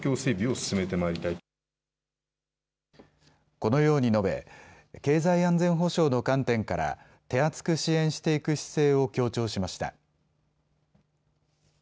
このように述べ、経済安全保障の観点から手厚く支援していく姿勢を強調しました。